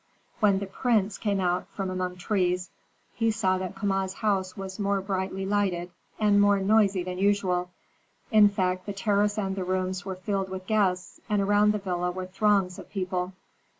When the prince came out from among trees, he saw that Kama's house was more brightly lighted and more noisy than usual. In fact, the terrace and the rooms were filled with guests, and around the villa were throngs of people.